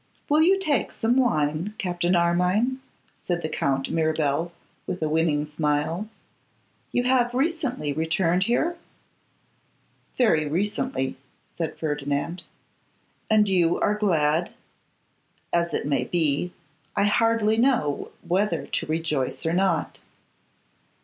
'Will you take some wine, Captain Armine?' said the Count Mirabel, with a winning smile. 'You have recently returned here?' 'Very recently,' said Ferdinand. 'And you are glad?' 'As it may be; I hardly know whether to rejoice or not.